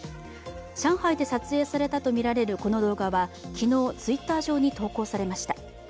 上海で撮影されたとみられるこの動画は、昨日、Ｔｗｉｔｔｅｒ上に投稿されました。